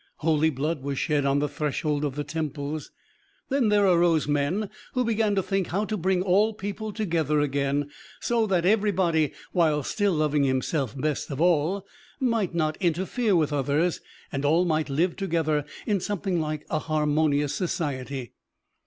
Holy blood was shed on the threshold of the temples. Then there arose men who began to think how to bring all people together again, so that everybody, while still loving himself best of all, might not interfere with others, and all might live together in something like a harmonious society.